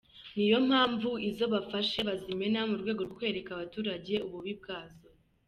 Niyo mpamvu izo bafashe bazimena mu rwego rwo kwereka abaturage ububi bwazo.